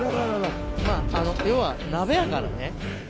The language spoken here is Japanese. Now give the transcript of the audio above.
まぁ要は鍋やからね。